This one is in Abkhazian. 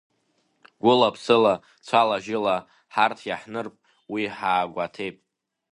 Гәыла-ԥсыла, цәала-жьыла ҳарҭ иаҳнырп уи ҳаагәаҭеип…